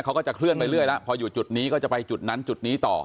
เขาก็จะเคลื่อนไปเรื่อยแล้วพออยู่จุดนี้ก็จะไปจุดนั้นจุดนี้ต่อ